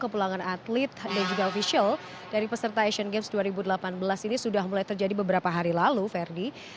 kepulangan atlet dan juga ofisial dari peserta asian games dua ribu delapan belas ini sudah mulai terjadi beberapa hari lalu ferdi